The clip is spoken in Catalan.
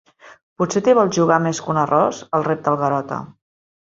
Potser t'hi vols jugar més que un arròs? —el repta el Garota.